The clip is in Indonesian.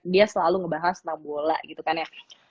dia selalu ngebahas tentang bola gitu kan ya